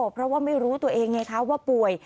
เพราะว่าไม่รู้ตัวเองไงคะว่าป่วย